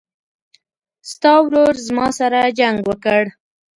ستا ورور زما سره جنګ وکړ